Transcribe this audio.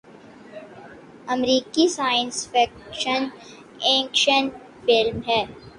امریکی science fiction action film ہے